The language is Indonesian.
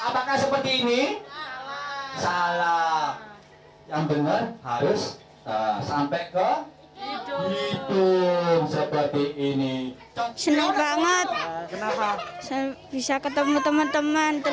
pakai maskernya gimana ya pak